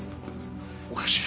おかしい。